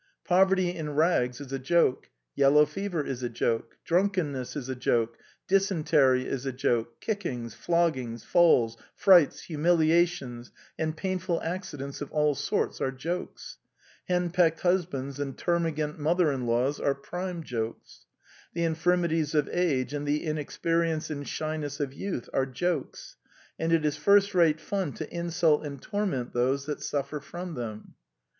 Poverty in rags is a joke, yellow fever is a joke, drunkenness is a joke, dysentery is a joke, kickings, floggings, falls, frights, humiliations and painful accidents of all sorts are jokes. Hen pecked husbands and termagant mothers in law are prime jokes. The infirmities of age and the inexperience and shyness of youth are jokes; and it is first rate fun to insult and torment those that suffer from them.